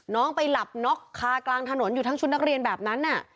ไปหลับน็อกคากลางถนนอยู่ทั้งชุดนักเรียนแบบนั้น